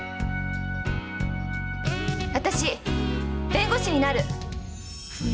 私弁護士になる！